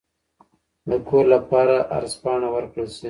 د کور لپاره عرض پاڼه ورکړل شي.